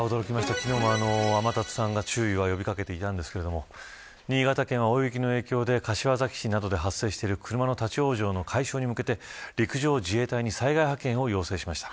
昨日も天達さんが、注意を呼び掛けていたんですけれども新潟県は大雪の影響で柏崎市などで発生している車の立ち往生の解消に向けて陸上自衛隊に災害派遣を要請しました。